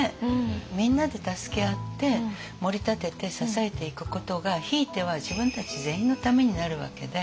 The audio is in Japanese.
みんなで助け合ってもり立てて支えていくことがひいては自分たち全員のためになるわけで。